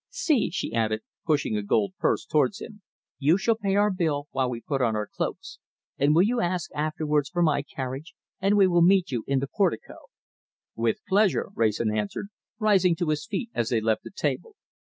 See," she added, pushing a gold purse towards him, "you shall pay our bill while we put on our cloaks. And will you ask afterwards for my carriage, and we will meet in the portico?" "With pleasure!" Wrayson answered, rising to his feet as they left the table.